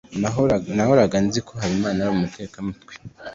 nahoraga nzi ko habimana yari umutekamutwe